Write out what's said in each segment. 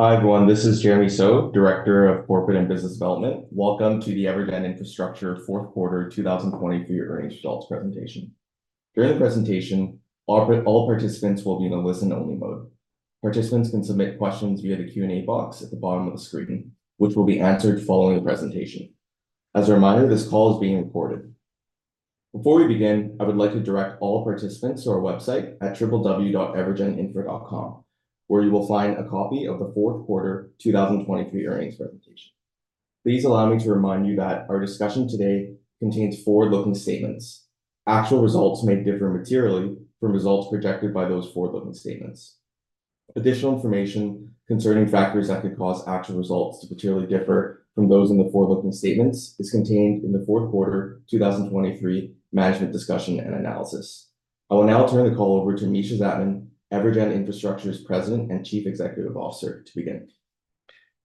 Hi everyone, this is Jeremy So, Director of Corporate and Business Development. Welcome to the EverGen Infrastructure fourth quarter 2023 earnings results presentation. During the presentation, all participants will be in a listen-only mode. Participants can submit questions via the Q&A box at the bottom of the screen, which will be answered following the presentation. As a reminder, this call is being recorded. Before we begin, I would like to direct all participants to our website at www.evergeninfra.com, where you will find a copy of the fourth quarter 2023 earnings presentation. Please allow me to remind you that our discussion today contains forward-looking statements. Actual results may differ materially from results projected by those forward-looking statements. Additional information concerning factors that could cause actual results to materially differ from those in the forward-looking statements is contained in the fourth quarter 2023 management discussion and analysis. I will now turn the call over to Mischa Zajtmann, EverGen Infrastructure's President and Chief Executive Officer, to begin.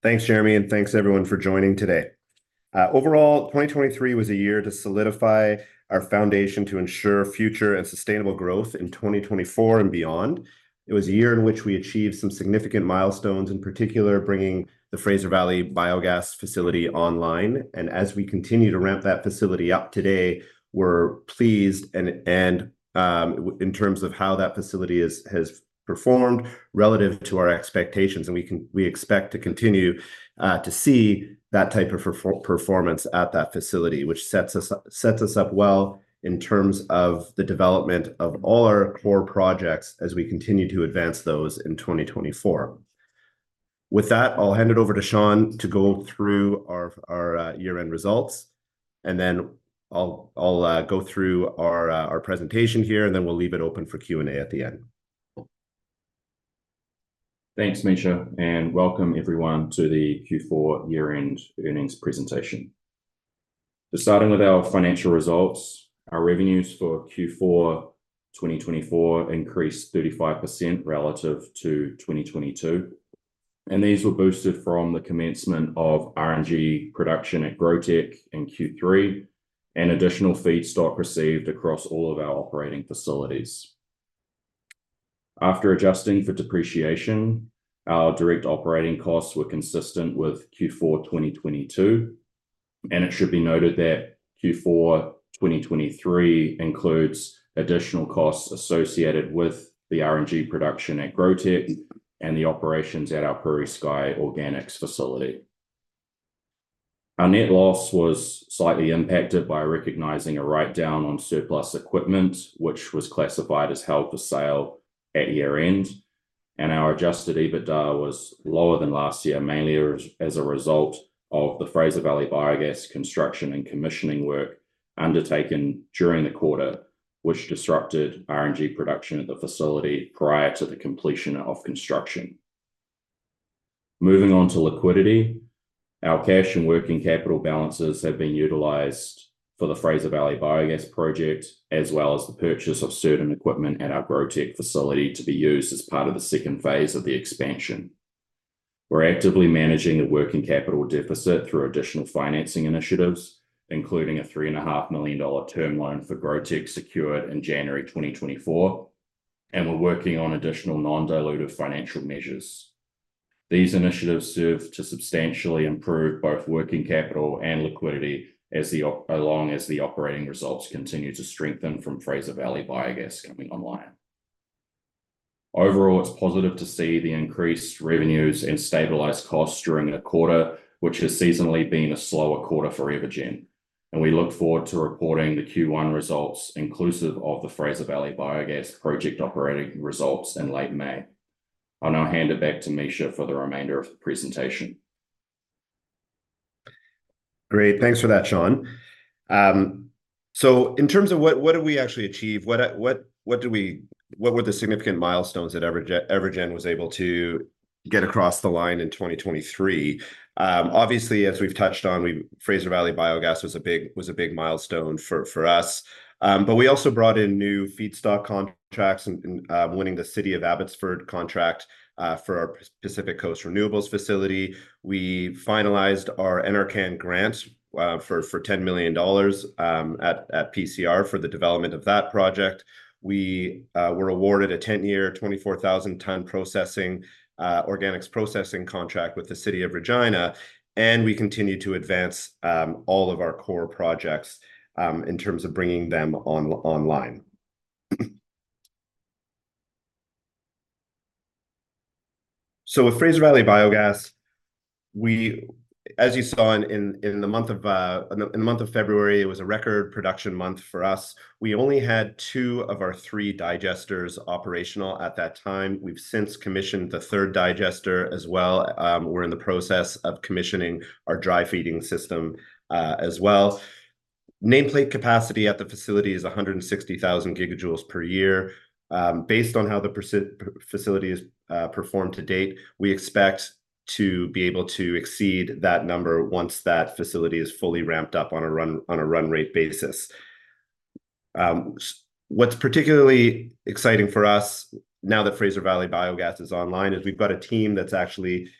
Thanks, Jeremy, and thanks everyone for joining today. Overall, 2023 was a year to solidify our foundation to ensure future and sustainable growth in 2024 and beyond. It was a year in which we achieved some significant milestones, in particular bringing the Fraser Valley Biogas facility online. And as we continue to ramp that facility up today, we're pleased in terms of how that facility has performed relative to our expectations. And we expect to continue to see that type of performance at that facility, which sets us up well in terms of the development of all our core projects as we continue to advance those in 2024. With that, I'll hand it over to Sean to go through our year-end results, and then I'll go through our presentation here, and then we'll leave it open for Q&A at the end. Thanks, Mischa, and welcome everyone to the Q4 year-end earnings presentation. So starting with our financial results, our revenues for Q4 2024 increased 35% relative to 2022. And these were boosted from the commencement of RNG production at GrowTEC in Q3 and additional feedstock received across all of our operating facilities. After adjusting for depreciation, our direct operating costs were consistent with Q4 2022. And it should be noted that Q4 2023 includes additional costs associated with the RNG production at GrowTEC and the operations at our Prairie Sky Organics facility. Our net loss was slightly impacted by recognizing a write-down on surplus equipment, which was classified as held for sale at year-end. Our Adjusted EBITDA was lower than last year, mainly as a result of the Fraser Valley Biogas construction and commissioning work undertaken during the quarter, which disrupted RNG production at the facility prior to the completion of construction. Moving on to liquidity, our cash and working capital balances have been utilized for the Fraser Valley Biogas project as well as the purchase of certain equipment at our GrowTEC facility to be used as part of the second phase of the expansion. We're actively managing the working capital deficit through additional financing initiatives, including a 3.5 million dollar term loan for GrowTEC secured in January 2024, and we're working on additional non-dilutive financial measures. These initiatives serve to substantially improve both working capital and liquidity as the operating results continue to strengthen from Fraser Valley Biogas coming online. Overall, it's positive to see the increased revenues and stabilized costs during a quarter which has seasonally been a slower quarter for EverGen. We look forward to reporting the Q1 results inclusive of the Fraser Valley Biogas project operating results in late May. I'll now hand it back to Mischa for the remainder of the presentation. Great. Thanks for that, Sean. So in terms of what did we actually achieve? What were the significant milestones that EverGen was able to get across the line in 2023? Obviously, as we've touched on, Fraser Valley Biogas was a big milestone for us. But we also brought in new feedstock contracts and winning the City of Abbotsford contract for our Pacific Coast Renewables facility. We finalized our NRCan grant for 10 million dollars at PCR for the development of that project. We were awarded a 10-year, 24,000-ton organics processing contract with the City of Regina. And we continue to advance all of our core projects in terms of bringing them online. So with Fraser Valley Biogas, as you saw in the month of February, it was a record production month for us. We only had two of our three digesters operational at that time. We've since commissioned the third digester as well. We're in the process of commissioning our dry feeding system as well. Nameplate capacity at the facility is 160,000 GJ per year. Based on how the facility has performed to date, we expect to be able to exceed that number once that facility is fully ramped up on a run-rate basis. What's particularly exciting for us now that Fraser Valley Biogas is online is we've got a team that's actually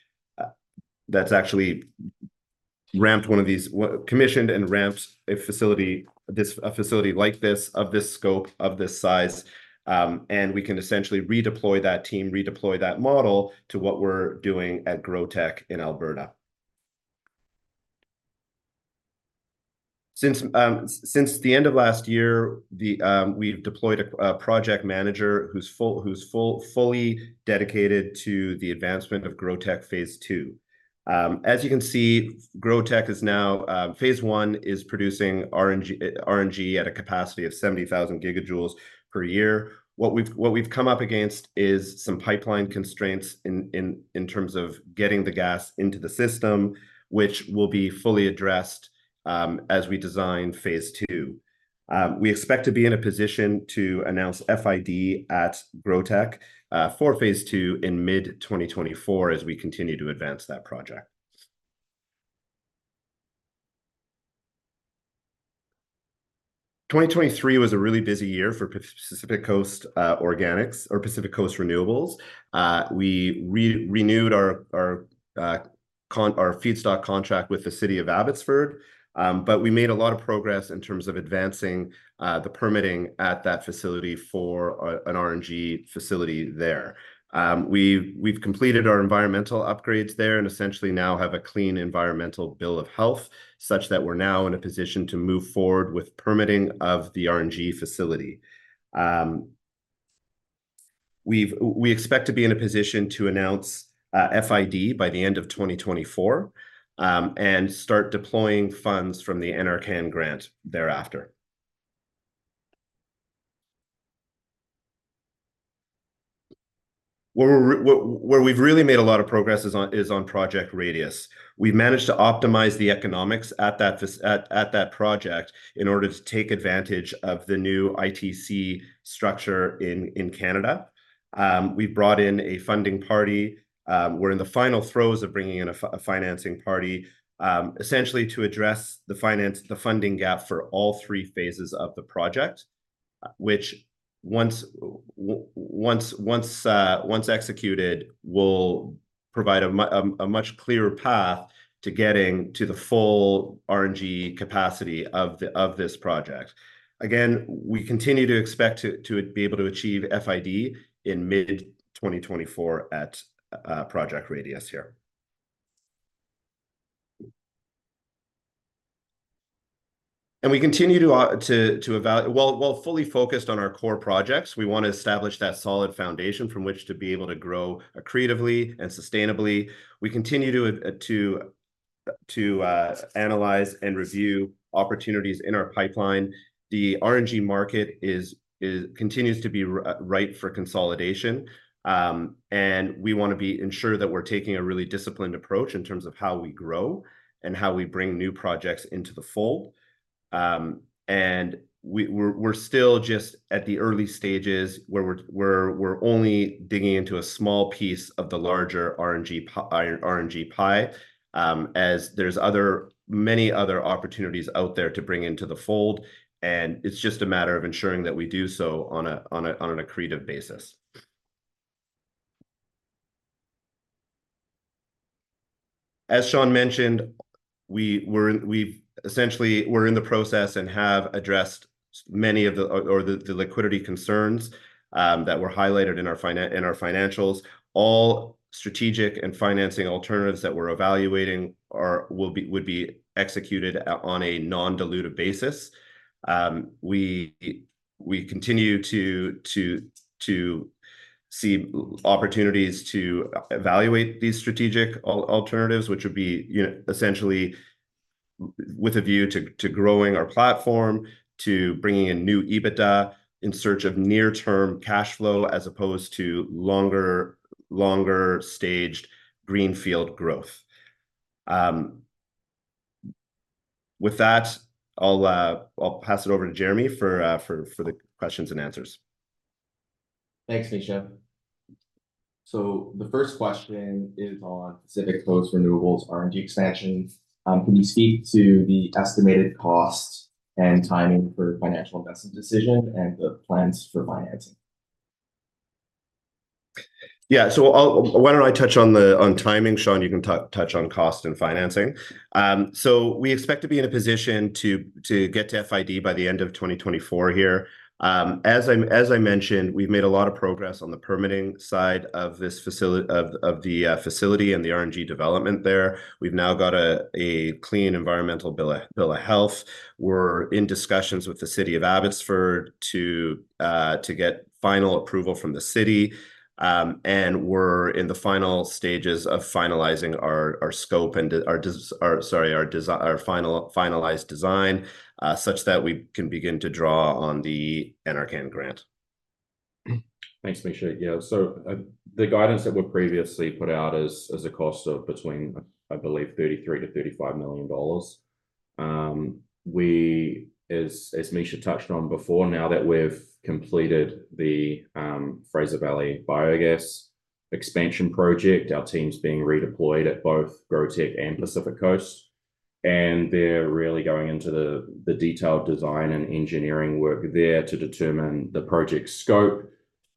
ramped one of these commissioned and ramps a facility like this of this scope, of this size. And we can essentially redeploy that team, redeploy that model to what we're doing at GrowTEC in Alberta. Since the end of last year, we've deployed a project manager who's fully dedicated to the advancement of GrowTEC Phase 2. As you can see, GrowTEC is now Phase 1 is producing RNG at a capacity of 70,000 GJ per year. What we've come up against is some pipeline constraints in terms of getting the gas into the system, which will be fully addressed as we design Phase 2. We expect to be in a position to announce FID at GrowTEC for Phase 2 in mid-2024 as we continue to advance that project. 2023 was a really busy year for Pacific Coast Organics or Pacific Coast Renewables. We renewed our feedstock contract with the City of Abbotsford, but we made a lot of progress in terms of advancing the permitting at that facility for an RNG facility there. We've completed our environmental upgrades there and essentially now have a clean environmental bill of health such that we're now in a position to move forward with permitting of the RNG facility. We expect to be in a position to announce FID by the end of 2024 and start deploying funds from the NRCan grant thereafter. Where we've really made a lot of progress is on Project Radius. We've managed to optimize the economics at that project in order to take advantage of the new ITC structure in Canada. We've brought in a funding party. We're in the final throes of bringing in a financing party, essentially to address the funding gap for all three phases of the project, which once executed, will provide a much clearer path to getting to the full RNG capacity of this project. Again, we continue to expect to be able to achieve FID in mid-2024 at Project Radius here. We continue to evaluate while fully focused on our core projects, we want to establish that solid foundation from which to be able to grow creatively and sustainably. We continue to analyze and review opportunities in our pipeline. The RNG market continues to be ripe for consolidation. We want to ensure that we're taking a really disciplined approach in terms of how we grow and how we bring new projects into the fold. We're still just at the early stages where we're only digging into a small piece of the larger RNG pie as there's many other opportunities out there to bring into the fold. It's just a matter of ensuring that we do so on a creative basis. As Sean mentioned, we've essentially been in the process and have addressed many of the liquidity concerns that were highlighted in our financials. All strategic and financing alternatives that we're evaluating would be executed on a non-dilutive basis. We continue to see opportunities to evaluate these strategic alternatives, which would be essentially with a view to growing our platform, to bringing in new EBITDA in search of near-term cash flow as opposed to longer-staged greenfield growth. With that, I'll pass it over to Jeremy for the questions and answers. Thanks, Mischa. So the first question is on Pacific Coast Renewables RNG expansion. Can you speak to the estimated cost and timing for final investment decision and the plans for financing? Yeah. So why don't I touch on timing, Sean? You can touch on cost and financing. So we expect to be in a position to get to FID by the end of 2024 here. As I mentioned, we've made a lot of progress on the permitting side of the facility and the RNG development there. We've now got a clean environmental bill of health. We're in discussions with the City of Abbotsford to get final approval from the city. And we're in the final stages of finalizing our scope and, sorry, our finalized design such that we can begin to draw on the NRCan grant. Thanks, Mischa. So the guidance that we've previously put out is a cost of between, I believe, 33 million-35 million dollars. As Mischa touched on before, now that we've completed the Fraser Valley Biogas expansion project, our team's being redeployed at both GrowTEC and Pacific Coast. And they're really going into the detailed design and engineering work there to determine the project scope.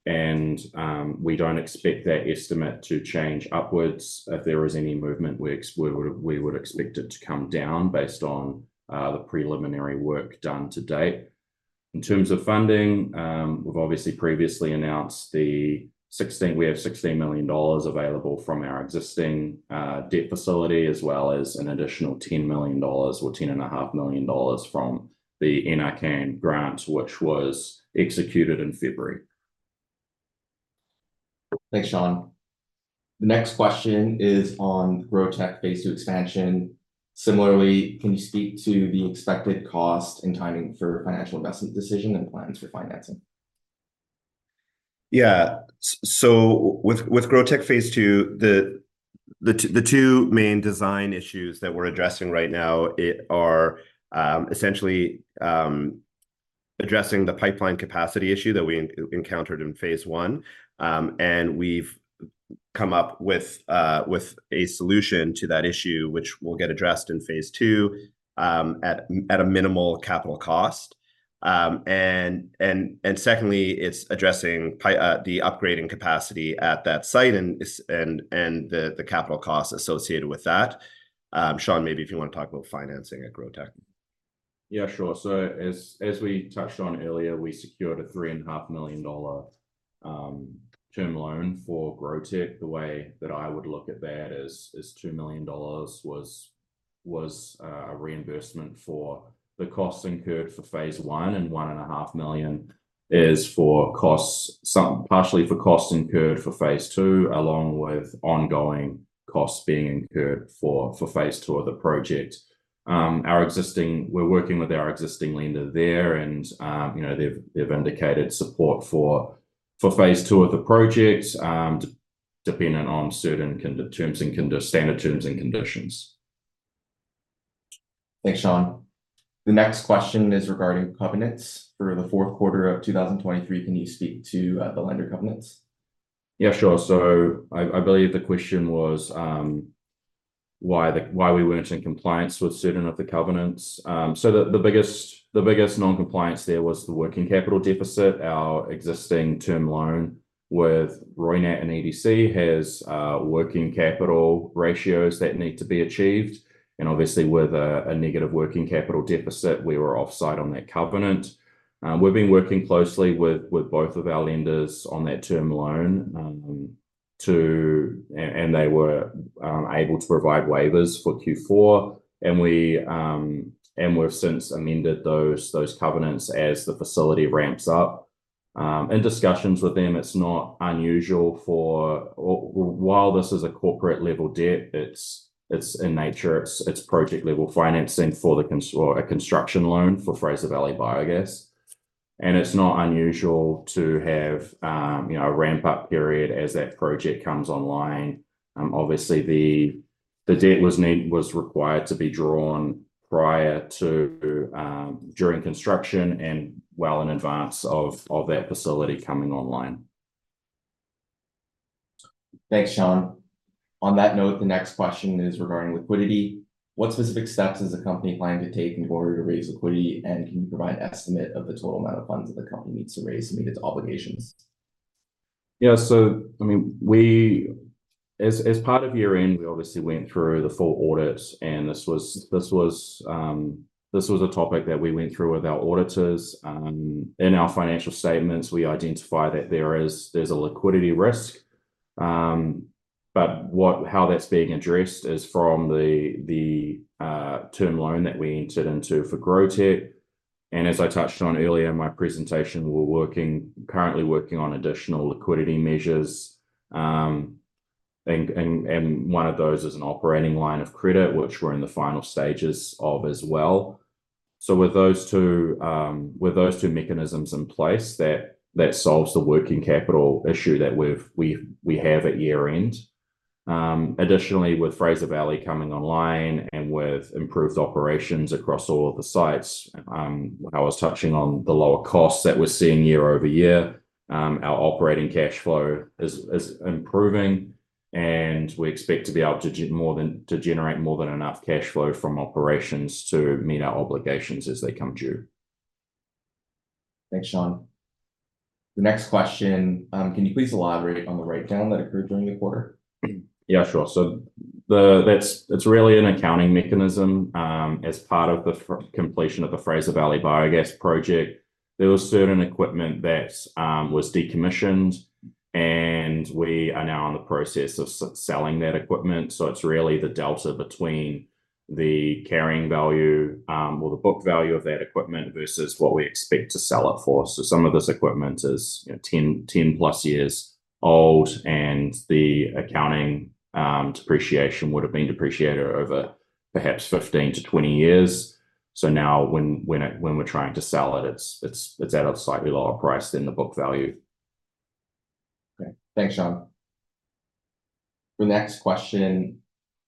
And we don't expect that estimate to change upwards. If there was any movement, we would expect it to come down based on the preliminary work done to date. In terms of funding, we've obviously previously announced we have 16 million dollars available from our existing debt facility as well as an additional 10 million dollars or 10.5 million dollars from the NRCan grant, which was executed in February. Thanks, Sean. The next question is on GrowTEC Phase 2 expansion. Similarly, can you speak to the expected cost and timing for Final Investment Decision and plans for financing? Yeah. So with GrowTEC Phase 2, the two main design issues that we're addressing right now are essentially addressing the pipeline capacity issue that we encountered in Phase 1. And we've come up with a solution to that issue, which will get addressed in Phase 2 at a minimal capital cost. And secondly, it's addressing the upgrading capacity at that site and the capital costs associated with that. Sean, maybe if you want to talk about financing at GrowTEC. Yeah, sure. So as we touched on earlier, we secured a 3.5 million dollar term loan for GrowTEC. The way that I would look at that is 2 million dollars was a reimbursement for the costs incurred for Phase 1, and 1.5 million is partially for costs incurred for Phase 2 along with ongoing costs being incurred for Phase 2 of the project. We're working with our existing lender there, and they've indicated support for Phase 2 of the project dependent on certain standard terms and conditions. Thanks, Sean. The next question is regarding covenants for the fourth quarter of 2023. Can you speak to the lender covenants? Yeah, sure. So I believe the question was why we weren't in compliance with certain of the covenants. So the biggest non-compliance there was the working capital deficit. Our existing term loan with Roynat and EDC has working capital ratios that need to be achieved. And obviously, with a negative working capital deficit, we were offside on that covenant. We've been working closely with both of our lenders on that term loan, and they were able to provide waivers for Q4. And we've since amended those covenants as the facility ramps up. In discussions with them, it's not unusual for while this is a corporate-level debt, in nature, it's project-level financing for a construction loan for Fraser Valley Biogas. And it's not unusual to have a ramp-up period as that project comes online. Obviously, the debt was required to be drawn during construction and well in advance of that facility coming online. Thanks, Sean. On that note, the next question is regarding liquidity. What specific steps is the company planning to take in order to raise liquidity, and can you provide an estimate of the total amount of funds that the company needs to raise to meet its obligations? Yeah. So I mean, as part of year-end, we obviously went through the full audit, and this was a topic that we went through with our auditors. In our financial statements, we identify that there's a liquidity risk. But how that's being addressed is from the term loan that we entered into for GrowTEC. And as I touched on earlier in my presentation, we're currently working on additional liquidity measures. And one of those is an operating line of credit, which we're in the final stages of as well. So with those two mechanisms in place, that solves the working capital issue that we have at year-end. Additionally, with Fraser Valley coming online and with improved operations across all of the sites, I was touching on the lower costs that we're seeing year-over-year. Our operating cash flow is improving, and we expect to be able to generate more than enough cash flow from operations to meet our obligations as they come due. Thanks, Sean. The next question, can you please elaborate on the write-down that occurred during the quarter? Yeah, sure. So it's really an accounting mechanism. As part of the completion of the Fraser Valley Biogas project, there was certain equipment that was decommissioned, and we are now in the process of selling that equipment. So it's really the delta between the carrying value or the book value of that equipment versus what we expect to sell it for. So some of this equipment is 10+ years old, and the accounting depreciation would have been depreciated over perhaps 15-20 years. So now when we're trying to sell it, it's at a slightly lower price than the book value. Okay. Thanks, Sean. The next question,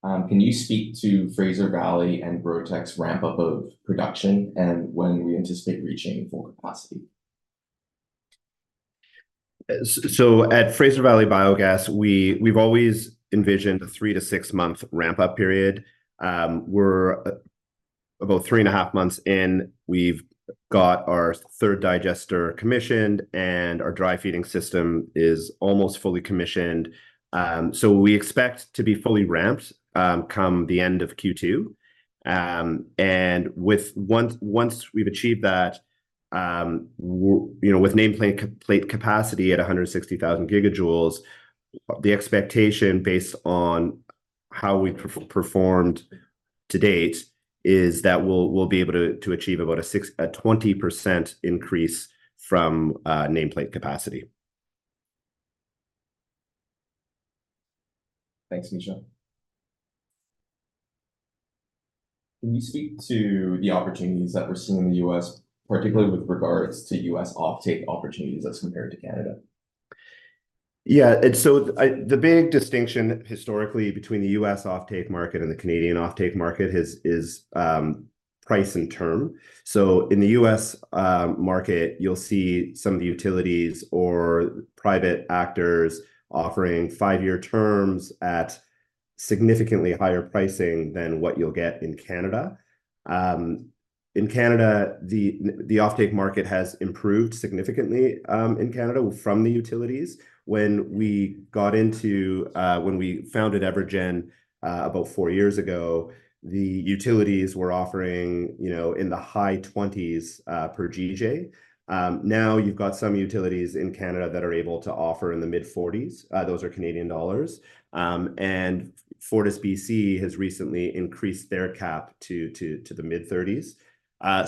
can you speak to Fraser Valley and GrowTEC's ramp-up of production and when we anticipate reaching full capacity? At Fraser Valley Biogas, we've always envisioned a three-to-six-month ramp-up period. We're about three and a half months in. We've got our third digester commissioned, and our dry-feeding system is almost fully commissioned. We expect to be fully ramped come the end of Q2. Once we've achieved that, with nameplate capacity at 160,000 GJ, the expectation based on how we've performed to date is that we'll be able to achieve about a 20% increase from nameplate capacity. Thanks, Mischa. Can you speak to the opportunities that we're seeing in the U.S., particularly with regards to U.S. offtake opportunities as compared to Canada? Yeah. So the big distinction historically between the U.S. offtake market and the Canadian offtake market is price and term. So in the U.S. market, you'll see some of the utilities or private actors offering five-year terms at significantly higher pricing than what you'll get in Canada. In Canada, the offtake market has improved significantly in Canada from the utilities. When we got into when we founded EverGen about four years ago, the utilities were offering in the high 20s per GJ. Now, you've got some utilities in Canada that are able to offer in the mid-40s. Those are Canadian dollars. And FortisBC has recently increased their cap to the mid-30s.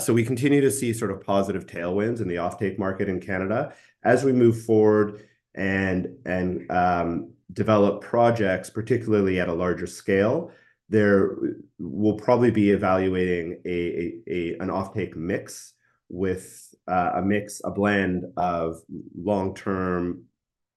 So we continue to see sort of positive tailwinds in the offtake market in Canada. As we move forward and develop projects, particularly at a larger scale, we'll probably be evaluating an offtake mix with a blend of long-term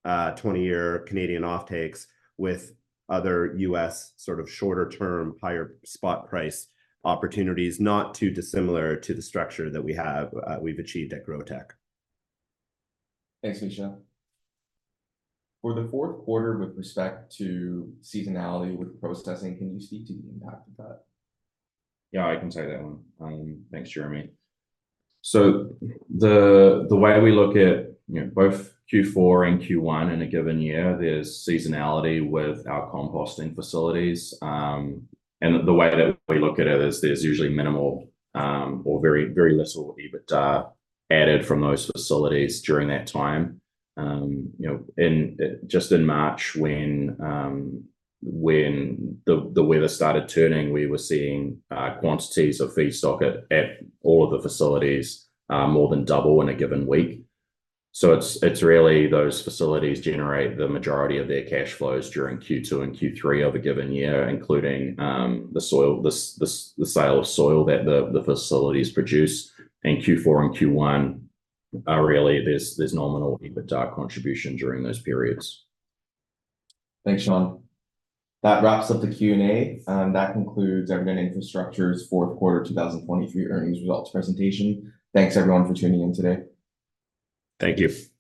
20-year Canadian offtakes with other U.S. sort of shorter-term, higher spot price opportunities, not too dissimilar to the structure that we've achieved at GrowTEC. Thanks, Mischa. For the fourth quarter, with respect to seasonality with processing, can you speak to the impact of that? Yeah, I can take that one. Thanks, Jeremy. So the way we look at both Q4 and Q1 in a given year, there's seasonality with our composting facilities. And the way that we look at it is there's usually minimal or very little EBITDA added from those facilities during that time. Just in March, when the weather started turning, we were seeing quantities of feedstock at all of the facilities more than double in a given week. So it's really those facilities generate the majority of their cash flows during Q2 and Q3 of a given year, including the sale of soil that the facilities produce. And Q4 and Q1, really, there's nominal EBITDA contribution during those periods. Thanks, Sean. That wraps up the Q&A. That concludes EverGen Infrastructure's fourth quarter 2023 earnings results presentation. Thanks, everyone, for tuning in today. Thank you.